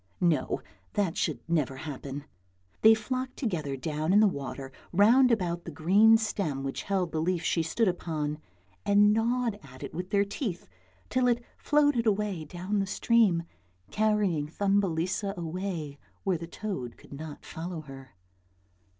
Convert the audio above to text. No, that should never happen. They flocked together down in the water round about the green stem which held the leaf she stood upon, and gnawed at it with their teeth till it floated away down the stream carrying Thumbelisa away where the toad could not follow her.